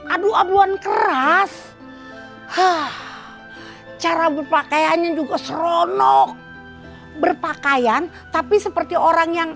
adu aduan keras hah cara berpakaiannya juga seronok berpakaian tapi seperti orang yang